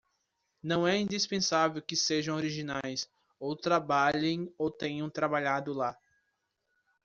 Não é indispensável que sejam originais ou trabalhem ou tenham trabalhado lá.